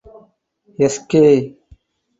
Sk.